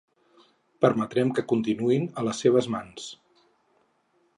Permetrem que continuïn a les seves mans?